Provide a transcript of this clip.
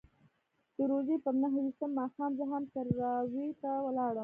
د روژې پر نهه ویشتم ماښام زه هم تراویحو ته ولاړم.